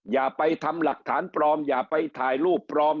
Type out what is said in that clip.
อย่าไปทำหลักฐานปลอมอย่าไปถ่ายรูปปลอม